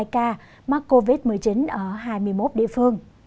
một mươi một một mươi hai ca mắc covid một mươi chín ở hai mươi một địa phương